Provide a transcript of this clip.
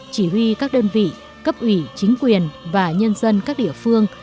chỉ huy các đơn vị cấp ủy chính quyền và nhân dân các địa phương